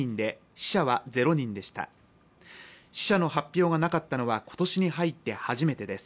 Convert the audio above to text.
死者の発表がなかったのは今年に入って初めてです。